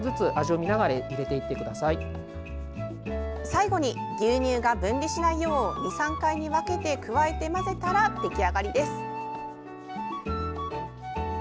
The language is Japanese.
最後に牛乳が分離しないよう２３回に分けて加えて混ぜたら出来上がりです。